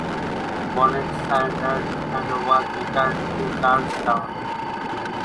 Bonnet surrendered and was returned to Charles Town.